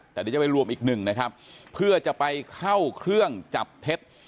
แต่เดี๋ยวจะไปรวมอีกหนึ่งนะครับเพื่อจะไปเข้าเครื่องจับเท็จ